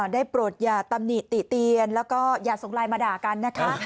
ได้โปรดอย่าตำหนิติเตียนแล้วก็อย่าส่งไลน์มาด่ากันนะคะ